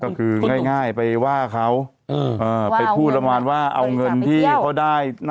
ก็คือง่ายไปว่าเขาไปพูดประมาณว่าเอาเงินที่เขาได้